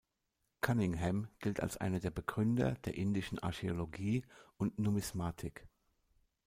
Cunningham gilt als einer der Begründer der indischen Archäologie und Numismatik.